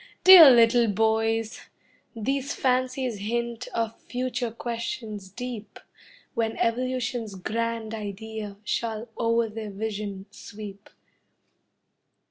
Dear little boys! These fancies hint Of future questions deep, When evolution's grand idea Shall o'er their vision sweep.